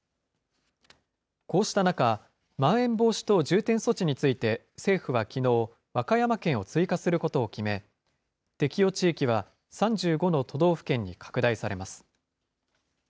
こうした中、まん延防止等重点措置について、政府はきのう、和歌山県を追加することを決め、適用地域は３５の都道府県に拡大されます。